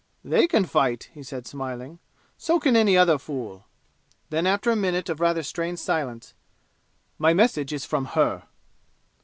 "They can fight," he said smiling. "So can any other fool!" Then, after a minute of rather strained silence: "My message is from her."